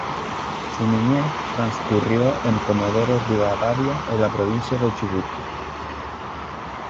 Su niñez transcurrió en Comodoro Rivadavia en la provincia de Chubut.